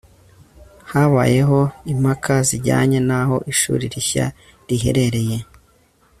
habayeho impaka zijyanye n'aho ishuri rishya riherereye